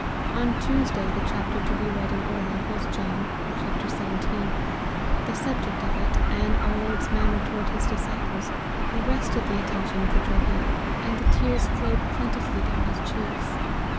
On Tuesday the chapter to be read in order was John xvii. The subject of it, and our Lord's manner toward his disciples, arrested the attention of the Jogi, and the tears flowed plentifully down his cheeks.